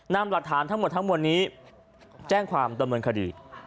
นำหลักฐานทั้งหมดทั้งมวลนี้แจ้งความดำเนินคดี